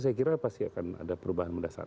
saya kira pasti akan ada perubahan mendasar